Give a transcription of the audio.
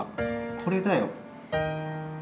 これだよ。